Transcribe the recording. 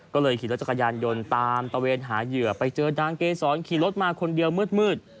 ก็เลยขี่รถจักรยานยนต์ตามตะเวนหาเหยื่อไปเจอนางเกษรขี่รถมาคนเดียวมืด